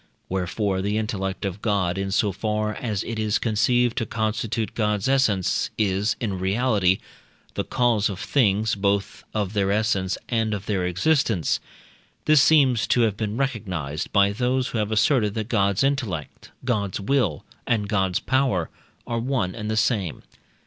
Wherefore the intellect of God, in so far as it is conceived to constitute God's essence, is, in reality, the cause of things, both of their essence and of their existence. This seems to have been recognized by those who have asserted, that God's intellect, God's will, and God's power, are one and the same.